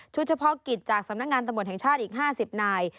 เฉพาะกิจจากสำนักงานตำรวจแห่งชาติอีก๕๐นาย